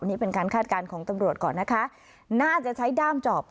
นี่เป็นการคาดการณ์ของตำรวจก่อนนะคะน่าจะใช้ด้ามจอบ